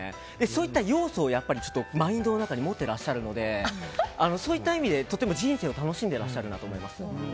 そういった要素をマインドの中に持っていらっしゃるのでそういった意味で、とても人生を楽しんでいらっしゃるなと思います。